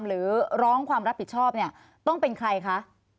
หรือร้องความรับผิดชอบเนี่ยต้องเป็นใครคะ